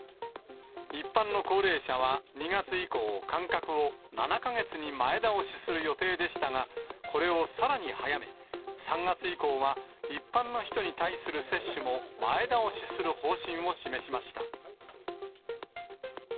一般の高齢者は２月以降、間隔を７か月に前倒しする予定でしたが、これをさらに早め、３月以降は一般の人に対する接種も前倒しする方針を示しました。